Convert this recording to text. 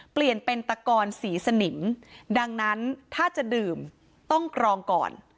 เปลี่ยนเป็นตะกอนสีสนิมดังนั้นถ้าจะดื่มต้องกรองก่อน